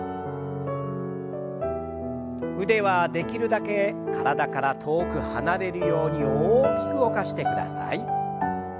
腕はできるだけ体から遠く離れるように大きく動かしてください。